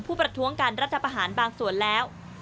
ประท้วงการรัฐประหารบางส่วนแล้ว